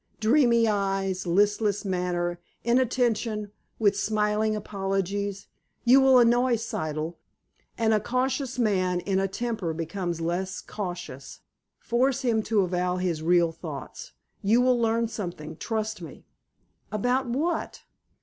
Dreamy eyes, listless manner, inattention, with smiling apologies. You will annoy Siddle, and a cautious man in a temper becomes less cautious. Force him to avow his real thoughts. You will learn something, trust me." "About what?"